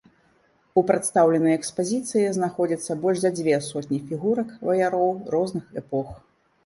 У прадстаўленай экспазіцыі знаходзяцца больш за дзве сотні фігурак ваяроў розных эпох.